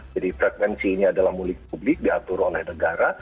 jadi frekuensinya adalah muli publik diatur oleh negara